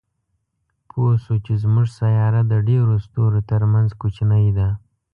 پوه شو چې زموږ سیاره د ډېرو ستورو تر منځ کوچنۍ ده.